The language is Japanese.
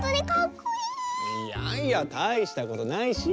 いやいやたいしたことないし！